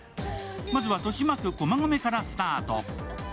まずは豊島区駒込からスタート。